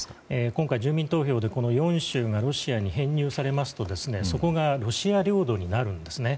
今回、住民投票でこの４州がロシアに編入されますと、そこがロシア領土になるんですね。